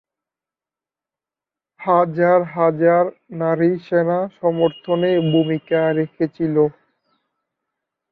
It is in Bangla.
হাজার হাজার নারী সেনা সমর্থনে ভূমিকা রেখেছিল।